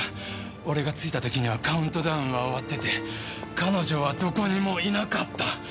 俺が着いた時にはカウントダウンは終わってて彼女はどこにもいなかった。